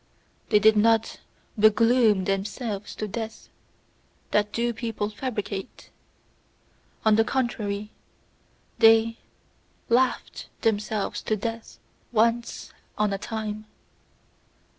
They did not "begloom" themselves to death that do people fabricate! On the contrary, they LAUGHED themselves to death once on a time!